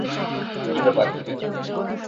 কি ব্যাপার, প্রিয়?